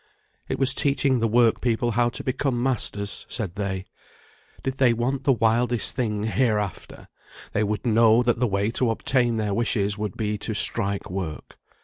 It was teaching the work people how to become masters, said they. Did they want the wildest thing heareafter, they would know that the way to obtain their wishes would be to strike work.